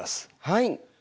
はい。